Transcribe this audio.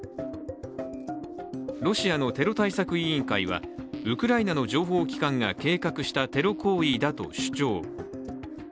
ロシアのテロ対策委員会はウクライナの情報機関が計画したテロ行為だと主張。